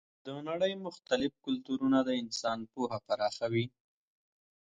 د نړۍ مختلف کلتورونه د انسان پوهه پراخوي.